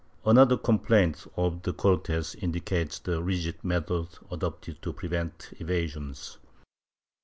Another complaint of the Cortes indicates the rigid methods adopted to prevent evasions.